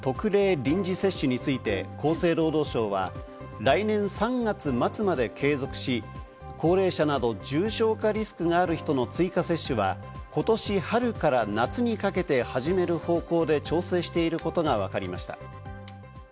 臨時接種について、厚生労働省は来年３月末まで継続し、高齢者など重症化リスクがある人の追加接種は今年春から夏にかけて始める方向で調整していることがわかりました。